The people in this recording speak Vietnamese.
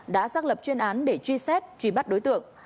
đã xác lập chuyên án để truy xét truy bắt đối tượng